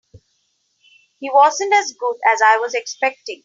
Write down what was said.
He wasn't as good as I was expecting.